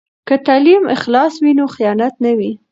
که تعلیم اخلاص وي، نو خیانت نه وي.